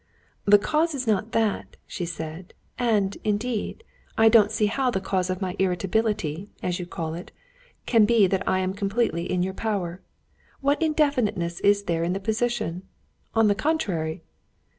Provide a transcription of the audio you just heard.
"The cause is not that," she said, "and, indeed, I don't see how the cause of my irritability, as you call it, can be that I am completely in your power. What indefiniteness is there in the position? on the contrary...."